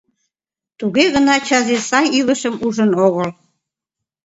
Туге гынат Чази сай илышым ужын огыл.